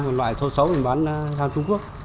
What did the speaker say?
bán phân loại xấu xấu thì mình bán trung quốc